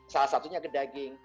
salah satunya ke daging